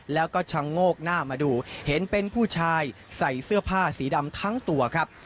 แล้วก็ชะโงกหน้ามาดูเห็นเป็นผู้ชายใส่เสื้อผ้าสีดำทั้งตัวครับ